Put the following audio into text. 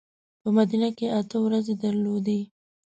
په مدینه کې اته ورځې درلودې.